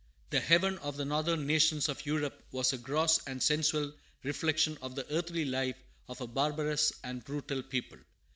The heaven of the northern nations of Europe was a gross and sensual reflection of the earthly life of a barbarous and brutal people.